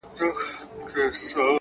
هغه هم نسته جدا سوی يمه،